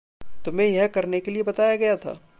तुम्हें यह करने के लिए बताया गया था?